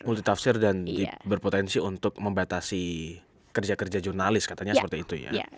multitafsir dan berpotensi untuk membatasi kerja kerja jurnalis katanya seperti itu ya